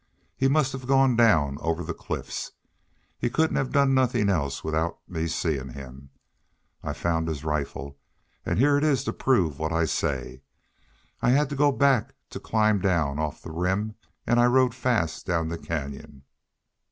He must have gone down over the cliffs. He couldn't have done nothin' else without me seein' him. I found his rifle, an' here it is to prove what I say. I had to go back to climb down off the Rim, an' I rode fast down the canyon.